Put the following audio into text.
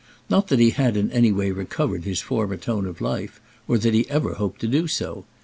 Not that he had in any way recovered his former tone of life, or that he ever hoped to do so.